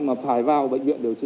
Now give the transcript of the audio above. mà phải vào bệnh viện điều trị